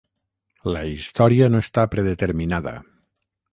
La història no està predeterminada.